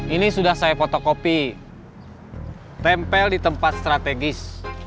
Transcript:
ini sudah saya foto kopi tempel di tempat strategis